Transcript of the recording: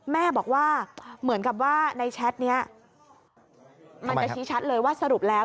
แม่บอกว่าเหมือนกับว่าในแชทนี้มันจะชี้ชัดเลยว่าสรุปแล้ว